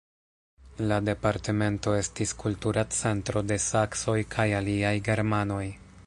La departemento estis kultura centro de saksoj kaj aliaj germanoj.